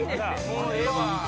もうええわ。